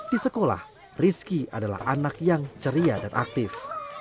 di sekolah rizky adalah anak yang ceria dan aktif